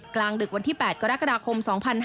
กลางดึกวันที่๘กรกฎาคม๒๕๕๙